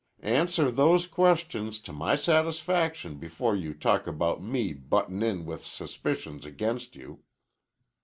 Answer those questions to my satisfaction before you talk about me buttin' in with suspicions against you."